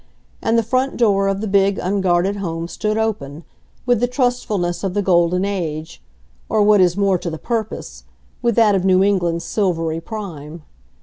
And the front door of the big, unguarded home stood open, with the trustfulness of the golden age; or what is more to the purpose, with that of New England's silvery prime.